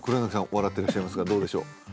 笑ってらっしゃいますがどうでしょう？